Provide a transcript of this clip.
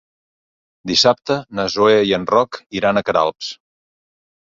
Dissabte na Zoè i en Roc iran a Queralbs.